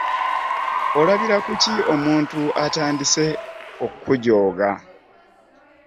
Olabira kuki omuntu atandise okujooga?